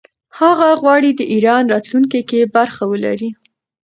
هغه غواړي د ایران راتلونکې کې برخه ولري.